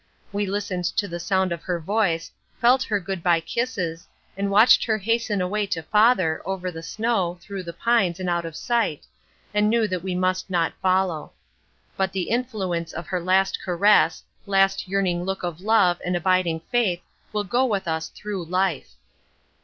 We listened to the sound of her voice, felt her good bye kisses, and watched her hasten away to father, over the snow, through the pines, and out of sight, and knew that we must not follow. But the influence of her last caress, last yearning look of love and abiding faith will go with us through life.